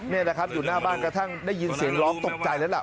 นี่แหละครับอยู่หน้าบ้านกระทั่งได้ยินเสียงร้องตกใจแล้วล่ะ